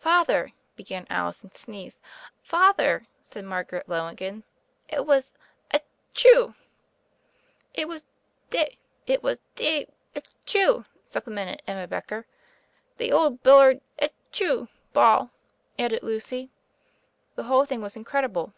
"Father," began Alice and sneezed. "Father," said Margaret Logan, "it was — etchool" "It was Dav — etchoo," supplemented Emma Becker "The old billiard— etchool— ball," added Lucy. The whole thing was incredible.